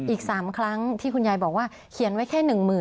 อีก๓ครั้งที่คุณยายบอกว่าเขียนไว้แค่๑๐๐๐